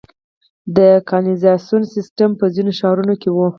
د کانالیزاسیون سیستم په ځینو ښارونو کې و